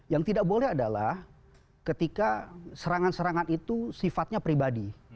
yang tidak boleh adalah ketika serangan serangan itu sifatnya pribadi